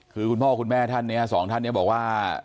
คือคุณพ่อคุณแม่ท่านเนี่ยสองท่านเนี่ยบอกว่า